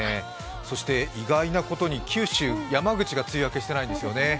意外なことに九州、山口が梅雨明けしていないんですよね。